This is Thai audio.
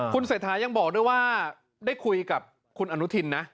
คุณเศรษฐายังบอกด้วยว่าได้คุยกับคุณอนุทินนะ